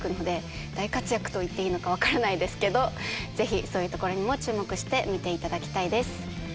大活躍といっていいのか分からないですけどぜひそういうところにも注目して見ていただきたいです。